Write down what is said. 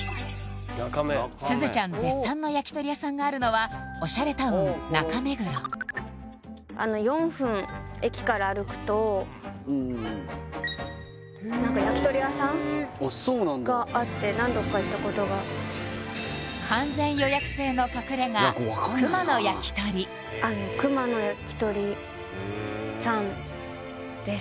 すずちゃん絶賛の焼き鳥屋さんがあるのはオシャレタウン中目黒４分駅から歩くと何か焼き鳥屋さんあっそうなんだがあって何度か行ったことがの隠れ家熊の焼鳥さんです